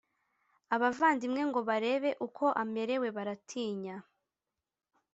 abavandimwe ngo barebe uko amerewe baratinya.